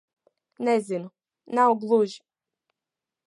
Nezinu. Nav gluži...